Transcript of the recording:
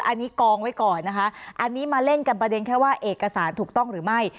อันนี้กองไว้ก่อนนะคะอันนี้มาเล่นกันประเด็นแค่ว่าเอกสารถูกต้องหรือไม่